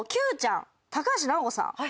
Ｑちゃん高橋尚子さん。